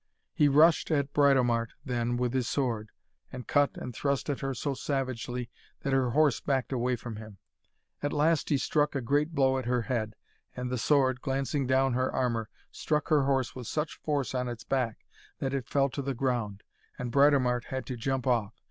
He rushed at Britomart then with his sword, and cut and thrust at her so savagely that her horse backed away from him. At last he struck a great blow at her head, and the sword, glancing down her armour, struck her horse with such force on its back that it fell to the ground, and Britomart had to jump off.